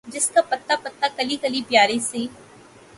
جس کا پتا پتا، کلی کلی پیاری سی